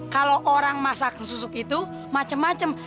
kalo orang masakan susuk itu macem macem